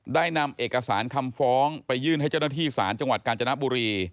ได้นำเอกสารคำฟ้องไปยื่นให้เจ้าหน้าที่ศาลจังหวัดกาญจนบุรี